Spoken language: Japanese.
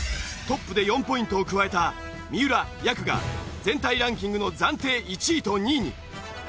トップで４ポイントを加えた三浦やくが全体ランキングの暫定１位と２位に。